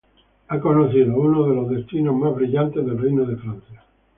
Ha conocido el uno de los destinos los más brillantes del reino de Francia.